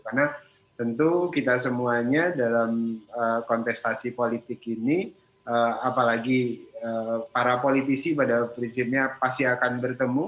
karena tentu kita semuanya dalam kontestasi politik ini apalagi para politisi pada prinsipnya pasti akan bertemu